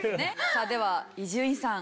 さあでは伊集院さん。